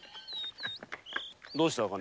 どうした茜？